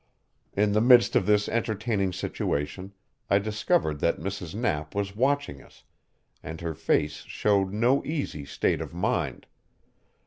In the midst of this entertaining situation I discovered that Mrs. Knapp was watching us, and her face showed no easy state of mind.